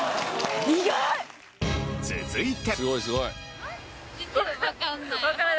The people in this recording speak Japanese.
続いて。